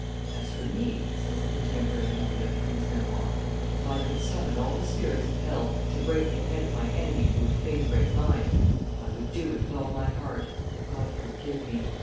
"As for me," says the contemporary Montluc in his Memoires, "if I could summon all the spirits of hell to break the head of my enemy who would fain break mine, I would do it with all my heart, God forgive me!"